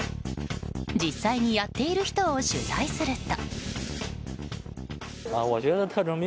実際にやっている人を取材すると。